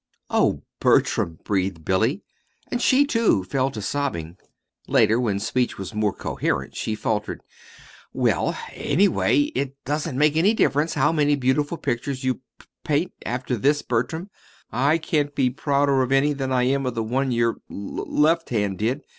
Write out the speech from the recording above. "Oh, Bertram!" breathed Billy. And she, too, fell to sobbing. Later, when speech was more coherent, she faltered: "Well, anyway, it doesn't make any difference how many beautiful pictures you p paint, after this, Bertram, I can't be prouder of any than I am of the one your l left hand did."